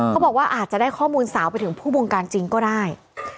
เขาบอกว่าอาจจะได้ข้อมูลสาวไปถึงผู้บงการจริงก็ได้